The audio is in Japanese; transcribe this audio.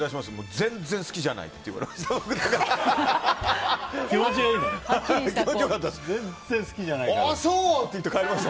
全然好きじゃないって言われました。